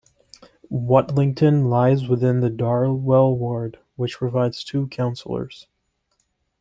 Whatlington lies within the Darwell ward, which provides two councillors.